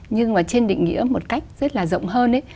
nhưng mà trên định nghĩa một cách rất là rộng hơn